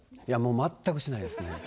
いやもう全くしないですね